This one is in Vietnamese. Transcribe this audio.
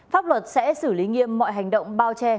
pháp luật sẽ xử lý nghiêm mọi hành động bao che